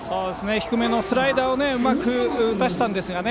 低めのスライダーをうまく打たせたんですが。